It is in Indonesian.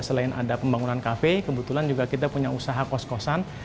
selain ada pembangunan kafe kebetulan juga kita punya usaha kos kosan